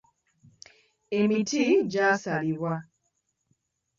Emiti gy'asalibwa.